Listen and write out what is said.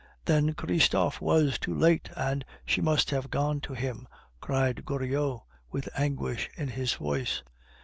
"Then Christophe was too late, and she must have gone to him!" cried Goriot, with anguish in his voice.